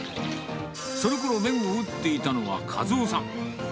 そのころ、麺を打っていたのは、和夫さん。